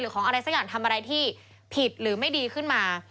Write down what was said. ของอะไรสักอย่างทำอะไรที่ผิดหรือไม่ดีขึ้นมา